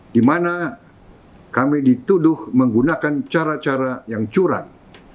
di mana kami dituduh menggunakan cara cara yang curang